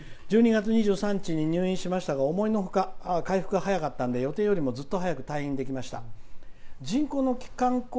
「１２月２３日に入院しましたが思いのほか、回復が早かったんで予定よりもずっと早く退院ができました。